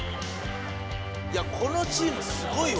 いやこのチームすごいわ。